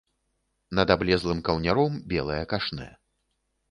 Над аблезлым каўняром белае кашнэ.